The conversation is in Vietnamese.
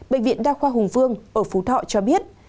bệnh viện đa khoa hùng vương ở phú thọ cho biết